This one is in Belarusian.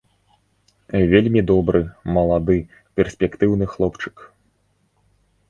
Вельмі добры, малады, перспектыўны хлопчык.